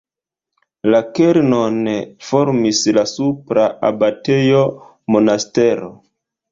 La kernon formis la supra abatejo Monastero.